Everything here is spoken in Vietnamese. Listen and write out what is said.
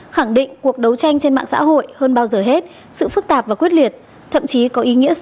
khẳng định cuộc đấu tranh trên mạng xã hội hơn bao giờ hết sự phức tạp và quyết liệt thậm chí có ý nghĩa sinh tử và đầy thách thức